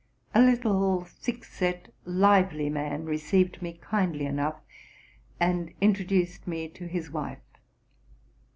A little, thick set. lively man received me kindly enough, and introduced me to his wife.